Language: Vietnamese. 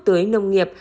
tới nông nghiệp